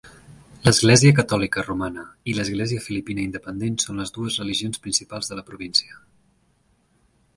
L'Església Catòlica Romana i l'Església Filipina Independent són les dues religions principals de la província.